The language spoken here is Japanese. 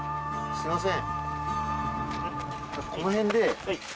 すいません。